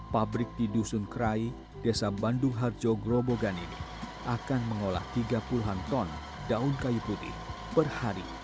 pabrik di dusun kerai desa bandung harjo grobogan ini akan mengolah tiga puluh an ton daun kayu putih per hari